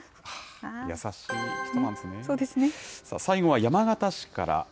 最後は山形市から。